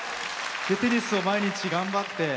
テニスを毎日頑張って。